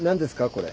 これ。